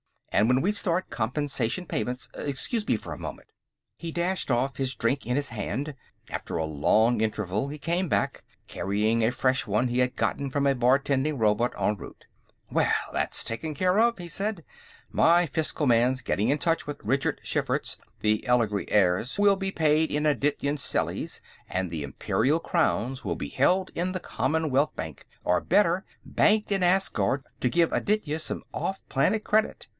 And when we start compensation payments.... Excuse me for a moment." He dashed off, his drink in his hand. After a long interval, he was back, carrying a fresh one he had gotten from a bartending robot en route. "Well, that's taken care of," he said. "My fiscal man's getting in touch with Ridgerd Schferts; the Elegry heirs will be paid in Adityan stellies, and the Imperial crowns will be held in the Commonwealth Bank, or, better, banked in Asgard, to give Aditya some off planet credit.